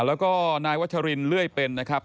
แล้วก็นายวัชรินเลื่อยเป็นนะครับ